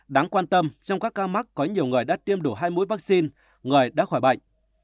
đáng quan tâm trong các ca mắc có nhiều người đã tiêm đủ hai mũi vaccine người đã khỏi bệnh